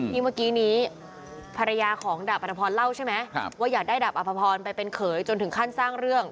เมื่อกี้นี้ภรรยาของดาบอัธพรเล่าใช่ไหมว่าอยากได้ดาบอภพรไปเป็นเขยจนถึงขั้นสร้างเรื่อง